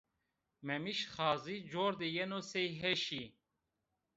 Memîş Xazî cor de yeno sey heşî